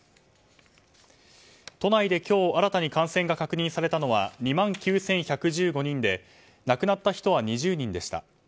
都内で今日新たに感染が確認されたのは２万９１１５人で亡くなった人は２０人でした。